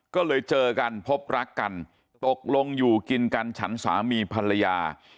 ก็เลยเจอกันพบรักกันตกลงอยู่กินกันฉันสามีภรรยา